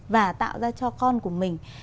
và tạo ra cho con của mình